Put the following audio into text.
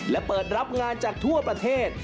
และเปิดรับงานจากทั่วประเทศ